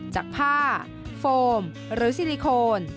จากผ้าโฟมหรือซิลิโคน